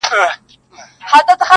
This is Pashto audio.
نه له خلوته څخه شېخ، نه له مغانه خیام!